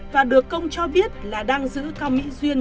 và được công cho biết là đang giữ cao mỹ duyên